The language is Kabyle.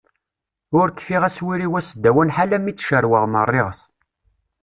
Ur kfiɣ aswir-iw aseddawan ḥala mi tt-cerweɣ merriɣet.